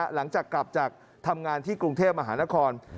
หลังจากกลับจากทำงานที่กรุงเทพมหานคร